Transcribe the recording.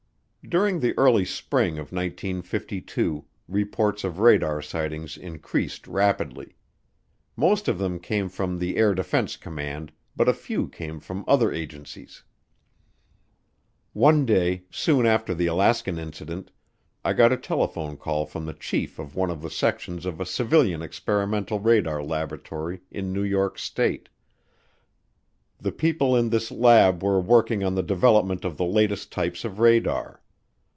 During the early spring of 1952 reports of radar sightings increased rapidly. Most of them came from the Air Defense Command, but a few came from other agencies. One day, soon after the Alaskan Incident, I got a telephone call from the chief of one of the sections of a civilian experimental radar laboratory in New York State. The people in this lab were working on the development of the latest types of radar.